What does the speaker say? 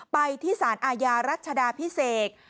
ไปที่สารอาญารัชดาพิเศษ